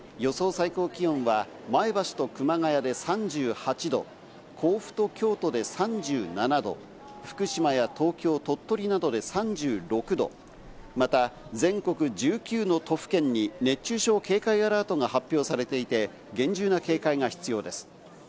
最高気温は前橋と熊谷で３８度、甲府と京都で３７度、福島や東京、鳥取などで３６度、また全国１９の都府県に熱中症警戒アラートが発表されていて、厳重な警戒が必要です。